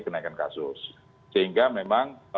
kenaikan kasus sehingga memang